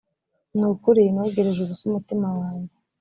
ni ukuri nogereje ubusa umutima wanjye